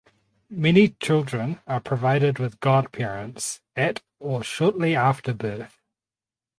Many children are provided with Godparents at or shortly after birth.